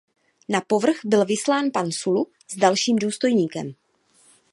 Na povrch byl vyslán pan Sulu s dalším důstojníkem.